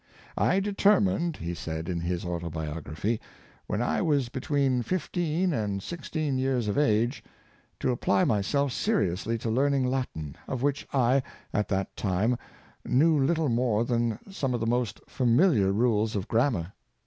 " I determined," he said, in his autobiography, " when I was between fifteen and six teen years of ^ge, to apply myself seriously to learn ing Latin, of which I, at that time, knew little more than some of the most familiar rules of grammar.